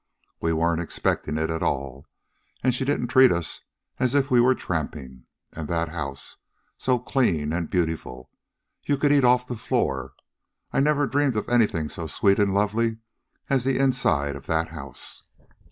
We weren't expecting it at all. And she didn't treat us as if we were tramping. And that house so clean and beautiful. You could eat off the floor. I never dreamed of anything so sweet and lovely as the inside of that house."